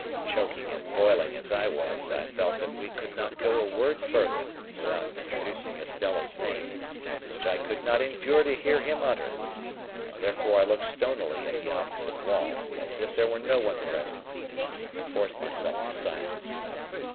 Choking and boiling as I was, I felt that we could not go a word further, without introducing Estella's name, which I could not endure to hear him utter; and therefore I looked stonily at the opposite wall, as if there were no one present, and forced myself to silence.